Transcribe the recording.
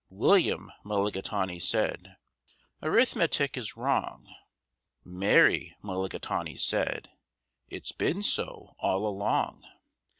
William Mulligatawny said, "Arithmetic is wrong." Mary Mulligatawny said, "It's been so all along."